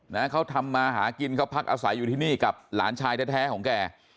นะเขาทำมาหากินเขาพักอาศัยอยู่ที่นี่กับหลานชายแท้แท้ของแก